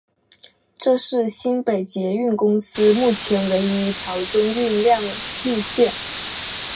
是新北捷运公司目前唯一一条中运量路线。